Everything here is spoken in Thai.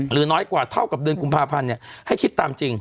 น้อยกว่าเท่ากับเดือนกุมภาพันธ์ให้คิดตามจริง